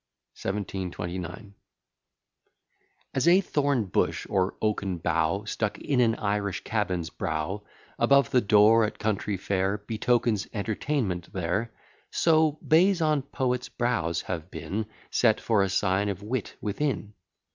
" 1729 As a thorn bush, or oaken bough, Stuck in an Irish cabin's brow, Above the door, at country fair, Betokens entertainment there; So bays on poets' brows have been Set, for a sign of wit within.